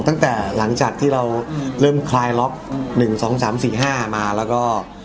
ตั้งแต่หลังจากที่เราเริ่มคลายรอบ๑๒๓๔๕มาแล้วก็